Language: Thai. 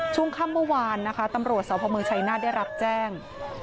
ช่วงค่ำเมื่อวานนะคะตำรวจสพเมืองชัยนาธได้รับแจ้ง